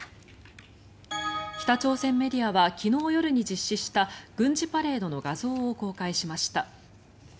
北朝鮮メディアは昨日夜に実施した軍事パレードの画像を公開しました。